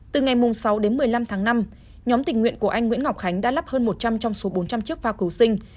từ ngày sáu đến một mươi năm tháng năm nhóm tình nguyện của anh nguyễn ngọc khánh đã lắp hơn một trăm linh trong số bốn trăm linh chiếc phao cứu sinh